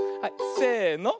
せの。